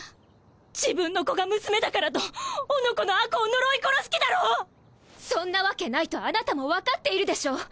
自分の子が娘だからとおの子の吾子を呪い殺す気だろ⁉そんなわけないとあなたも分かっているでしょう